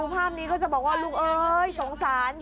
แมวอีกอะแมวอ่ะขายไปด้วย